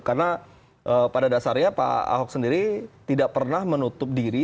karena pada dasarnya pak ahok sendiri tidak pernah menutup diri